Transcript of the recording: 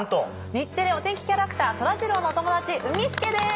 日テレお天気キャラクターそらジローのお友達うみスケです！